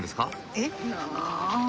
えっ？